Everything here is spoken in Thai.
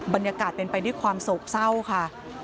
บรรยากาศเป็นไปด้วยความโศกเศร้าค่ะ